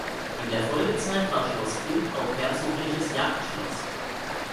In der Folgezeit war Schloss Kling auch herzogliches Jagdschloss.